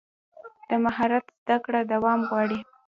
د مهارت زده کړه دوام غواړي.